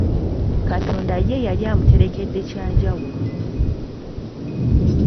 Katonda ye yali amuterekedde kyanjawulo!